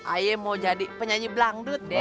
ayu mau jadi penyanyi belangdut deh